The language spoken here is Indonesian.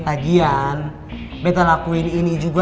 lagian betta lakuin ini juga